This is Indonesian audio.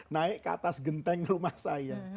naik ke atas genteng rumah saya